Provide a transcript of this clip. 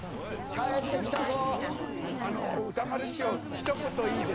帰ってきたぞ。